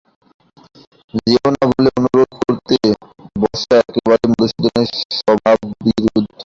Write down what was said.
যেয়ো না বলে অনুরোধ করতে বসা একেবারেই মধুসূদনের স্বভাববিরুদ্ধ।